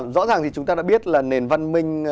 rõ ràng thì chúng ta đã biết là nền văn minh